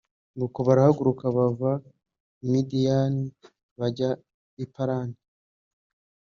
Nuko barahaguruka bava i Midiyani bajya i Parani